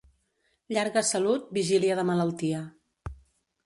Llarga salut, vigília de malaltia.